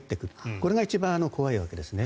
これが一番怖いわけですね。